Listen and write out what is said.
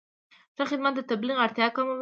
ښه خدمت د تبلیغ اړتیا کموي.